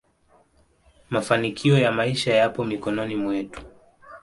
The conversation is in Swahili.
mafanikio ya maisha yapo mikono mwetu